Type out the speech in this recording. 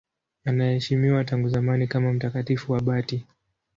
Anaheshimiwa tangu zamani kama mtakatifu abati.